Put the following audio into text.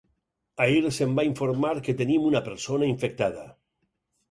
Ahir se’m va informar que tenim una persona infectada.